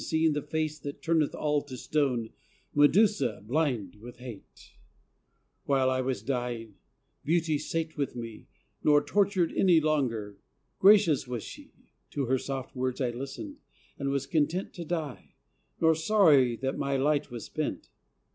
Seeing the face that turneth all to stone, Medusa, blind with hate, While I was dying, Beauty sate with me Nor tortured any longer; gracious was she; To her soft words I listened, and was content To die, nor sorry that my light was spent.